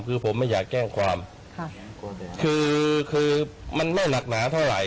คือผมไม่อยากแจ้งความค่ะคือคือมันไม่หนักหนาเท่าไหร่